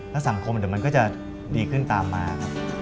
แล้วสังคมเดี๋ยวมันก็จะดีขึ้นตามมาครับ